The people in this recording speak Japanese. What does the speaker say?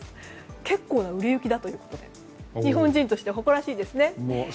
結構な売れ行きだということで日本人としては誇らしい。